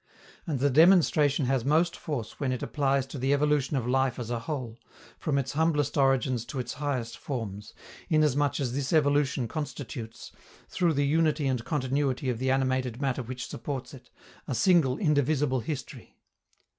And the demonstration has most force when it applies to the evolution of life as a whole, from its humblest origins to its highest forms, inasmuch as this evolution constitutes, through the unity and continuity of the animated matter which supports it, a single indivisible history.